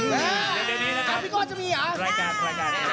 ไวมากเลย